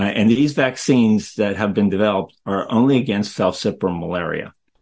dan vaksin vaksin ini yang dilakukan hanya menentang valsipram malaria